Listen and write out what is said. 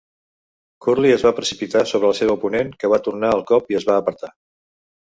Curly es va precipitar sobre la seva oponent, que va tornar el cop i es va apartar.